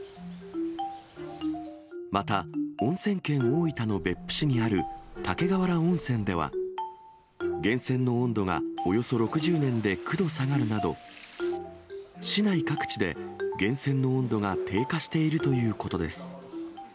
また、温泉県大分の別府市にある竹瓦温泉では、源泉の温度がおよそ６０年で９度下がるなど、市内各地で源泉の温度が低下しているということです。